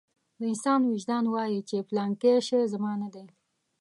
د انسان وجدان وايي چې پلانکی شی زما نه دی.